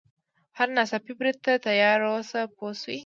هر ناڅاپي برید ته تیار واوسي پوه شوې!.